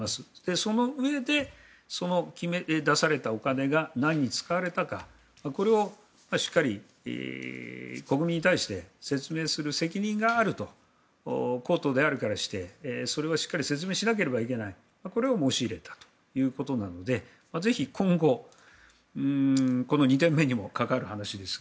そのうえで、その出されたお金が何に使われたかこれをしっかり国民に対して説明する責任があると公党であるからしてそれはしっかり説明しないといけないと申し入れたわけなのでぜひ、今後、この２点目にも関わる話ですが。